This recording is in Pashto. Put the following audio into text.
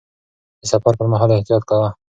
د سفر پر مهال احتياط کاوه.